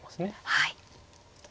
はい。